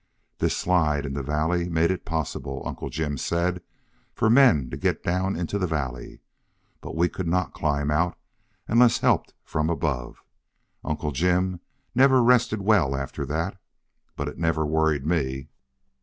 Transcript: This slide in the valley made it possible, Uncle Jim said, for men to get down into the valley. But we could not climb out unless helped from above. Uncle Jim never rested well after that. But it never worried me.